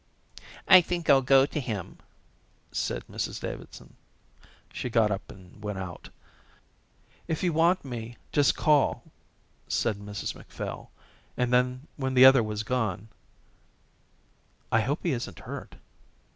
"I think I'll go to him," said Mrs Davidson. She got up and went out. "If you want me, just call," said Mrs Macphail, and then when the other was gone: "I hope he isn't hurt."